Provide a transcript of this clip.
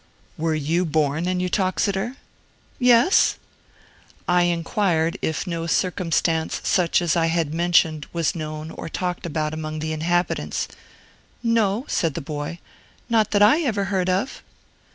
"Were you born in Uttoxeter?" "Yes." I inquired if no circumstance such as I had mentioned was known or talked about among the inhabitants. "No," said the boy; "not that I ever heard of."